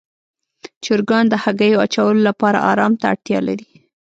چرګان د هګیو اچولو لپاره آرام ته اړتیا لري.